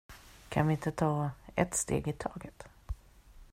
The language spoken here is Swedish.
Kan vi inte ta ett steg i taget?